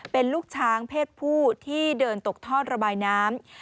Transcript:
เป็นลูกช้างเพศผู้ที่เดินตกท่อระบายน้ำ